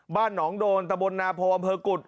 บ้านหนองโดนตะบลนาโพมเหอร์กุฎ